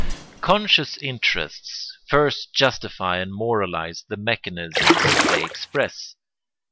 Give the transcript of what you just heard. Conscious interests first justify and moralise the mechanisms they express.